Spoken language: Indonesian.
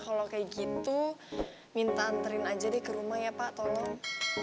kalau kayak gitu minta anterin aja deh ke rumah ya pak tolong